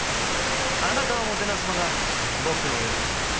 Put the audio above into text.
あなたをもてなすのが僕の喜び。